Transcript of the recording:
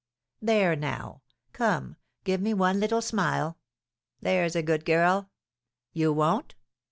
There, now; come, give me one little smile, there's a good girl! You won't?